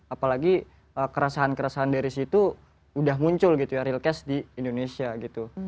apalagi kerasahan kerasaan dari situ udah muncul gitu ya real case di indonesia gitu